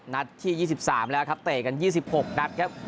นัดที่๒๓แล้วครับเตะกัน๒๖นัดครับ